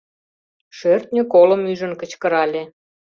Шӧртньӧ колым ӱжын кычкырале.